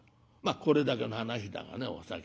これだけの話だがねお崎さん